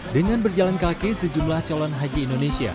dengan berjalan kaki sejumlah calon haji indonesia